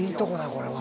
これは。